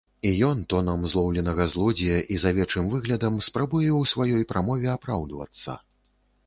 І ён, тонам злоўленага злодзея і з авечым выглядам, спрабуе ў сваёй прамове апраўдвацца.